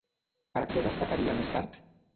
Per què destacaria més tard?